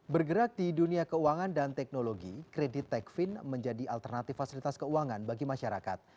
bergerak di dunia keuangan dan teknologi kredit techfin menjadi alternatif fasilitas keuangan bagi masyarakat